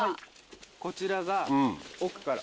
こちらが奥から。